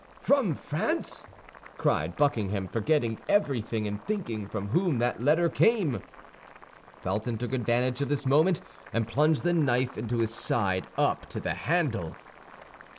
"From France!" cried Buckingham, forgetting everything in thinking from whom that letter came. Felton took advantage of this moment, and plunged the knife into his side up to the handle.